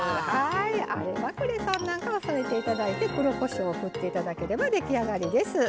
あればクレソンなんかを添えていただいて黒こしょうを振っていただければ出来上がりです。